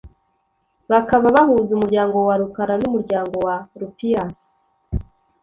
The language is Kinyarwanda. bakaba bahuza umuryango wa Rukara n’umuryango wa Rupias.